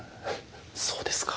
そうですか。